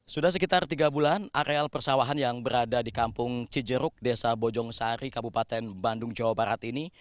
sudah sekitar tiga bulan areal persawahan yang berada di kampung cijeruk desa bojong sari kabupaten bandung jawa barat ini